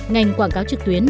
ngành quảng cáo trực tuyến